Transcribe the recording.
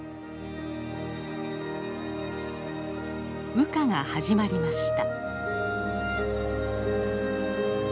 羽化が始まりました。